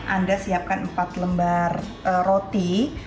anda siapkan empat lembar roti